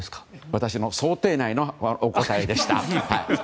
私の想定内のお答えでした。